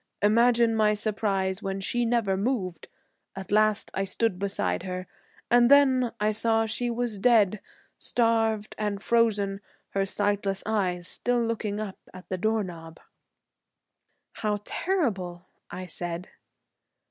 Imagine my surprise when she never moved. At last I stood beside her, and then I saw she was dead; starved and frozen, her sightless eyes still looking up at the door knob." "How terrible!" I said.